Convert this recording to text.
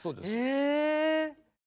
へえ。